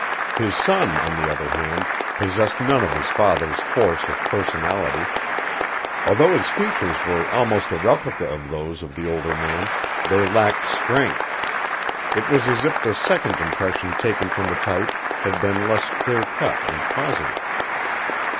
His son, on the other hand, possessed none of his father's force of personality. Although his features were almost a replica of those of the older man, they lacked strength; it was as if the second impression taken from the type had been less clear cut and positive.